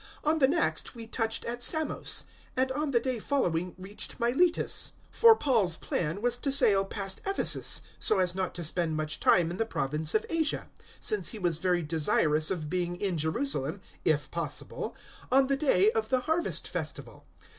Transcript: On the next we touched at Samos; and on the day following reached Miletus. 020:016 For Paul's plan was to sail past Ephesus, so as not to spend much time in the province of Asia; since he was very desirous of being in Jerusalem, if possible, on the day of the Harvest Festival.